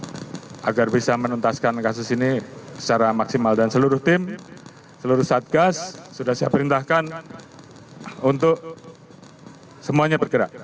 saya agar bisa menuntaskan kasus ini secara maksimal dan seluruh tim seluruh satgas sudah saya perintahkan untuk semuanya bergerak